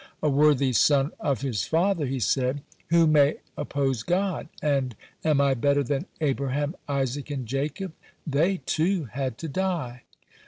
A worthy son of his father, he said: "Who may oppose God? And am I better than Abraham, Isaac, and Jacob? They, too, had to die."